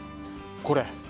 これ。